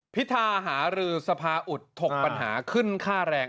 พิธาหารือสภาอุดถกปัญหาขึ้นค่าแรง